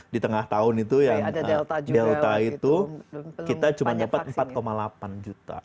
di tengah tahun itu yang delta itu kita cuma dapat empat delapan juta